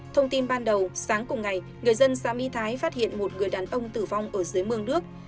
thông tin ban đầu sáng cùng ngày người dân xã my thái phát hiện một người đàn ông tử vong ở dưới mương nước